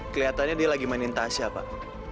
kelihatannya dia lagi mainin tasya pak